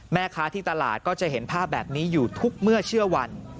แม่ค้าที่ตลาดก็จะเห็นภาพแบบนี้อยู่ทุกเมื่อเชื่อวัน